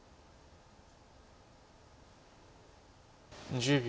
１０秒。